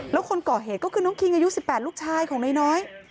แล้วคนก่อเหตุก็คือน้องคิงอายุ๑๘ลูกชายของนายน้อย